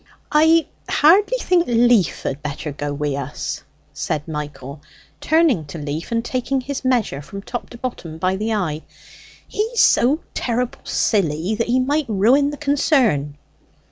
"I hardly think Leaf had better go wi' us?" said Michael, turning to Leaf and taking his measure from top to bottom by the eye. "He's so terrible silly that he might ruin the concern."